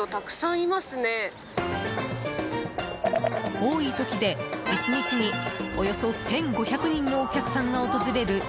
多い時で１日に、およそ１５００人のお客さんが訪れる